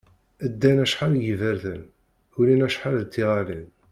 Ddan acḥal deg yiberdan, ulin acḥal d tiɣalin.